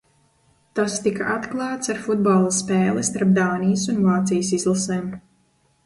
Tas tika atklāts ar futbola spēli starp Dānijas un Vācijas izlasēm.